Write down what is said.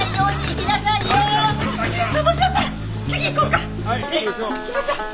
行きましょう。